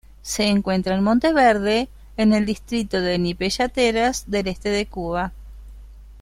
Se encuentra en Monte Verde, en el distrito de Nipe-Yateras del este de Cuba.